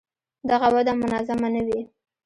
دغه وده منظمه نه وي.